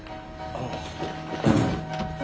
ああ。